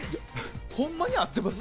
ほんまに合ってます？